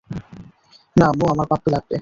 না আম্মু, আমার পাপ্পি লাগবে।